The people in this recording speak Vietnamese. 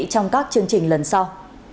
trong các chương trình lần sau